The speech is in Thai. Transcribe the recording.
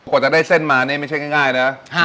กว่าจะได้เส้นมานี่ไม่ใช่ง่ายนะ